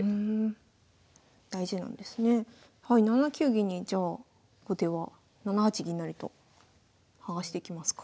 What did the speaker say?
銀にじゃあ後手は７八銀成と剥がしてきますか。